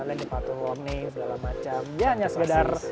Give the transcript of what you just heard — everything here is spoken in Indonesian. lane departure warning segala macam dia hanya